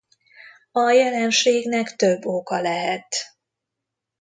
A jelenségnek több oka lehet.